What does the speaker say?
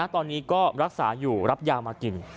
ตอนนี้ก็รักษาอยู่รับยามากิน